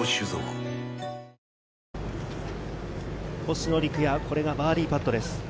星野陸也、これがバーディーパットです。